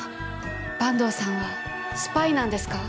坂東さんはスパイなんですか？